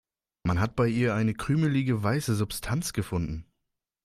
Man hat bei ihr eine krümelige, weiße Substanz gefunden.